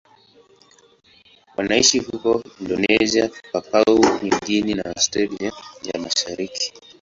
Wanaishi huko Indonesia, Papua New Guinea na Australia ya Mashariki.